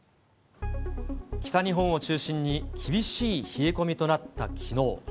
北日本を中心に厳しい冷え込みとなったきのう。